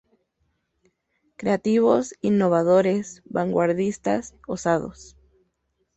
Creativos, innovadores, vanguardistas, osados.